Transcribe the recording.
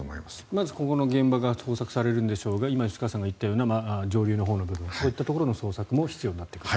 まずここの現場が捜索されるんでしょうが今、吉川さんが言ったような上流の部分そういったところの捜索も必要になってくる。